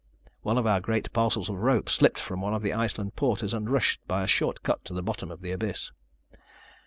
One of our great parcels of rope slipped from one of the Iceland porters, and rushed by a short cut to the bottom of the abyss.